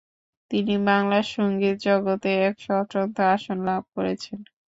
তিনি বাংলা সঙ্গীত জগতে এক স্বতন্ত্র আসন লাভ করেছেন।